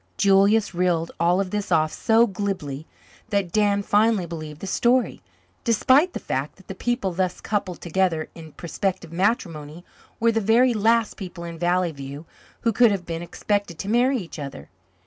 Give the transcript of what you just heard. Julius reeled all this off so glibly that Dan finally believed the story, despite the fact that the people thus coupled together in prospective matrimony were the very last people in Valley View who could have been expected to marry each other.